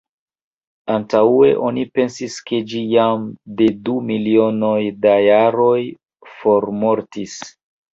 Antaŭe oni pensis ke ĝi jam de du milionoj da jaroj formortis.